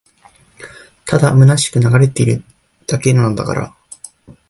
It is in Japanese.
ただ空しく流れているだけなのだから